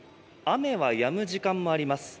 雨はやむ時間もあります。